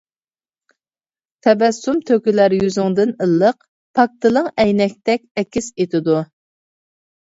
تەبەسسۇم تۆكۈلەر يۈزۈڭدىن ئىللىق، پاك دىلىڭ ئەينەكتەك ئەكس ئېتىدۇ.